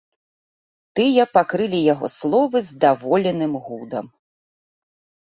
Тыя пакрылі яго словы здаволеным гудам.